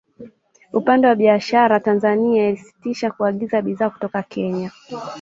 Upande wa biashara Tanzania ilisitisha kuagiza bidhaa kutoka Kenya